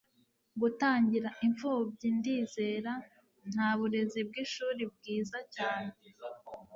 gutangira - impfubyi, ndizera - nta burezi bwishuri, bwiza cyane